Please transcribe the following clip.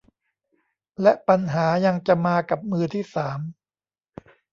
และปัญหายังจะมากับมือที่สาม